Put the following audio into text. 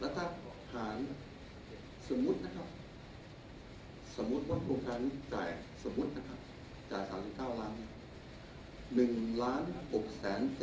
แล้วถ้าผ่านสมุดนะครับสมุดว่าโครงการจ่าย๓๙๐๐๐๐๐๐บาท